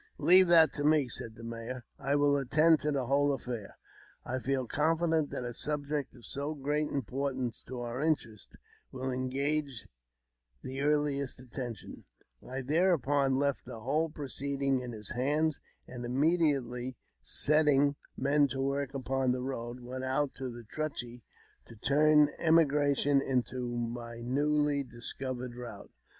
" Leave that to me,'' said the mayor; " I will attend to the whole affair. I feel confident that a subject of so great im portance to our interests will engage the earliest attention." I thereupon left the whole proceeding in his hands, and, immediately setting men to work upon the road, went out to the Truchy to turn emigration into my newly discovered route.